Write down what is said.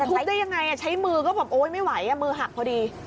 จะทุบได้ยังไงใช้มือก็บอกโอ้ยไม่ไหวมือหักพอดี